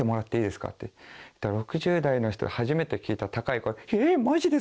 ６０代の人の初めて聞いた高い声。